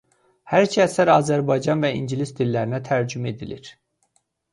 Hər iki əsər azərbaycan və ingilis dillərinə tərcümə edilir.